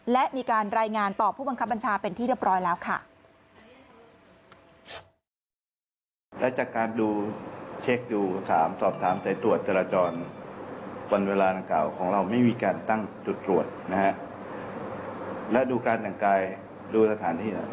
และมีการรายงานต่อผู้บังคับบัญชาเป็นที่เรียบร้อยแล้วค่ะ